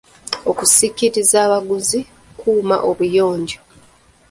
Okusikiriza abaguzi, kuuma obuyonjo.